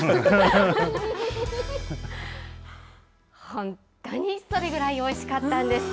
本当にそれぐらいおいしかったんです。